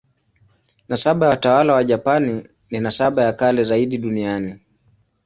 Nasaba ya watawala wa Japani ni nasaba ya kale zaidi duniani.